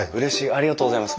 ありがとうございます。